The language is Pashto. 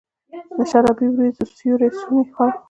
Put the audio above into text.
د شرابې اوریځو سیوري څوڼي خپروي